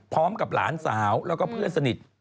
พร้อมกับหลานสาวแล้วก็เพื่อนสนิท